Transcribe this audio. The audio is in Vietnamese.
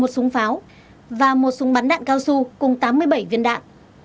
một súng pháo và một súng bắn đạn cao su cùng tám mươi bảy viên đạn